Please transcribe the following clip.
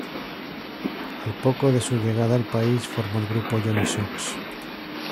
Al poco de su llegada al país formó el grupo Johny Sox.